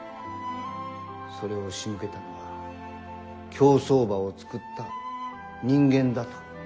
それをしむけたのは競走馬を作った人間だと。